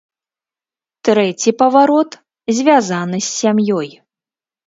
Трэці паварот звязаны з сям'ёй.